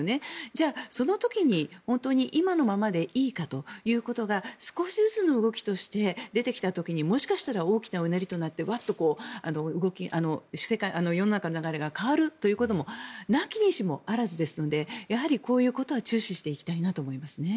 じゃあ、その時に本当に今のままでいいかということが少しずつの動きとして出てきた時にもしかしたら大きなうねりとなって世の中の流れが変わるということもなきにしもあらずですのでやはりこういうことは注視していきたいと思います。